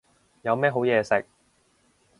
有咩好嘢食